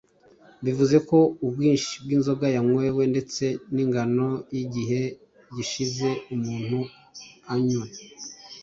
Bivuze ko ubwinshi bw’inzoga yanywewe ndetse n’ingano y’igihe gishize umuntu anyway